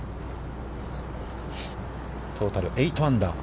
トータル８アンダー。